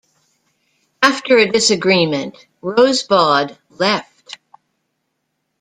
After a disagreement, Rosbaud left.